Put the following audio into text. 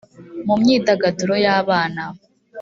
mu myidagaduro y abana